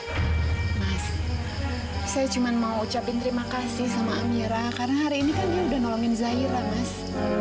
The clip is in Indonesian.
mas saya cuma mau ucapin terima kasih sama amira karena hari ini kan dia udah nolongin zairan mas